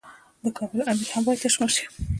د کابل امیر هم باید تشویق شي.